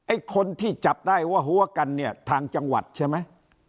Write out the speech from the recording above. ไอ้คนที่จับได้ว่าหัวกันเนี่ยทางจังหวัดใช่ไหม